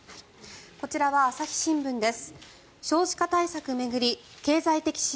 こちらは朝日新聞です。